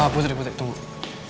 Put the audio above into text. putri putri tunggu